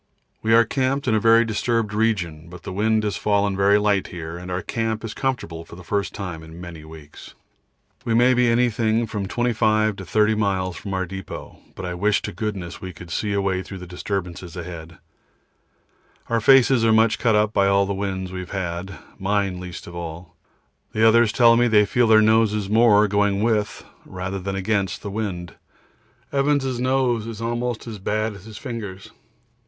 We are camped in a very disturbed region, but the wind has fallen very light here, and our camp is comfortable for the first time for many weeks. We may be anything from 25 to 30 miles from our depot, but I wish to goodness we could see a way through the disturbances ahead. Our faces are much cut up by all the winds we have had, mine least of all; the others tell me they feel their noses more going with than against the wind. Evans' nose is almost as bad as his fingers.